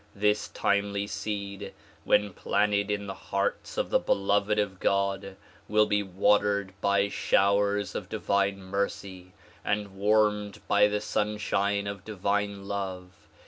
This timely seed when planted in the hearts of the beloved of God will be watered by showers of divine mercy and warmed by the sunshine of divine love.